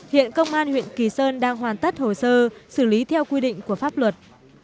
hiện công an huyện kỳ sơn đang hoàn tất hồ sơ xử lý theo quy định của pháp luật